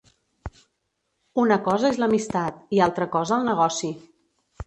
Una cosa és l'amistat i altra cosa el negoci.